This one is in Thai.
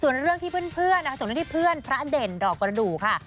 ส่วนเรื่องที่เพื่อนนะคะจบเรื่องที่เพื่อนพระเด่นดอกประดูกค่ะ